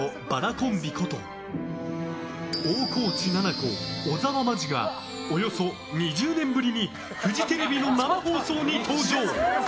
コンビこと大河内奈々子、小沢真珠がおよそ２０年ぶりにフジテレビの生放送に登場。